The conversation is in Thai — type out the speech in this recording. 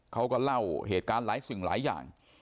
เขาก็เล่าเหตุการณ์หลายสิ่งหลายอย่าง